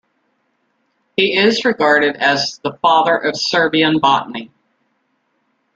He is regarded as "the father of Serbian botany".